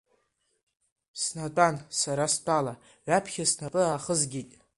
Снатәан, сара стәала, ҩаԥхьа снапы ахызгеит.